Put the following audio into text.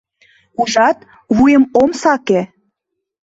Ужат, вуйым ом саке.